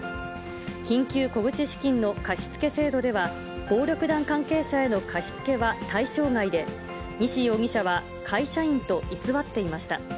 緊急小口資金の貸し付け制度では、暴力団関係者への貸し付けは対象外で、西容疑者は、会社員と偽っていました。